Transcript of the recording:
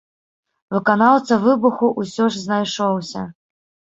Выканаўца выбуху ўсё ж знайшоўся.